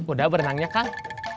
udah berenangnya kang